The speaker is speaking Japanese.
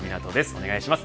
お願いします。